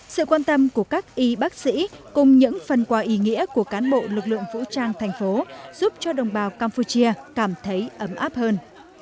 sự quan tâm của các y bác sĩ cùng những phần quà ý nghĩa của cán bộ lực lượng vũ trang thành phố giúp cho đồng bào campuchia cảm thấy ấm áp hơn